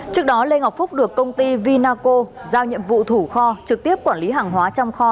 trước đó lê ngọc phúc được công ty vinaco giao nhiệm vụ thủ kho trực tiếp quản lý hàng hóa trong kho